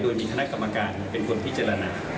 โดยมีคณะกรรมการเป็นคนพิจารณา